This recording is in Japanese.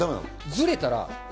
ずれたら。